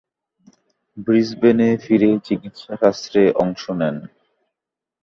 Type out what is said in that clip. ব্রিসবেনে ফিরে চিকিৎসাশাস্ত্রে অংশ নেন।